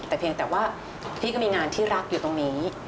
แต่เพียงแต่ว่าพี่ก็มีงานที่รักอยู่ตรงนี้